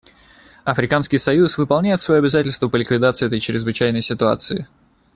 Африканский союз выполняет свое обязательство по ликвидации этой чрезвычайной ситуации.